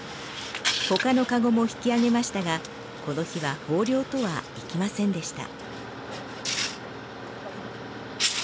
他のかごも引きあげましたがこの日は豊漁とはいきませんでした。